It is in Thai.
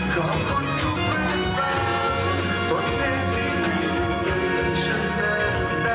ขอบคุณคนสำคัญที่ทำให้ฉันได้พบเธอ